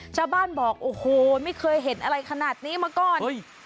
ชาวบ้านบอกโอ้โหไม่เคยเห็นอะไรขนาดนี้มาก่อน